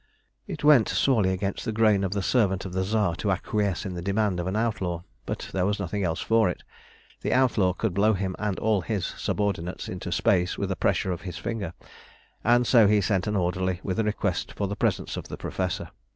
It went sorely against the grain of the servant of the Tsar to acquiesce in the demand of an outlaw, but there was nothing else for it. The outlaw could blow him and all his subordinates into space with a pressure of his finger; and so he sent an orderly with a request for the presence of the professor.